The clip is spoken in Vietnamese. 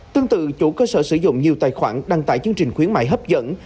tương tự chủ cơ sở sử dụng nhiều tài khoản đăng tải chương trình khuyến mại hấp dẫn